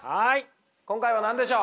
今回は何でしょう？